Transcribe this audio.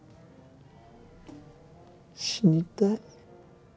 死にたい